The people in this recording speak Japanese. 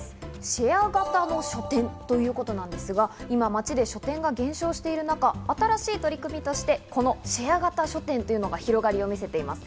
シェア型の書店ということなんですが、今、町で書店が減少している中、新しい取り組みとして、このシェア型書店というのが広がりを見せています。